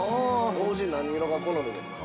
◆ご夫人、何色が好みですか。